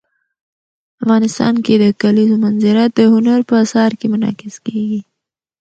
افغانستان کې د کلیزو منظره د هنر په اثار کې منعکس کېږي.